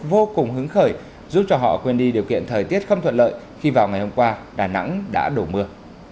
vô cùng hứng khởi giúp cho họ quên đi điều kiện thời tiết không thuận lợi khi vào ngày hôm qua đà nẵng đã đổ mưa